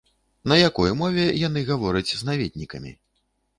На якой мове яны гавораць з наведнікамі?